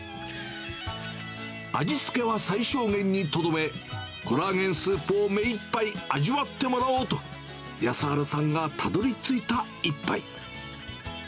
味付けは最小限にとどめ、コラーゲンスープを目いっぱい味わってもらおうと、康晴さんがたどりついた一杯。